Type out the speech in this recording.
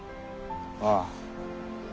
ああ。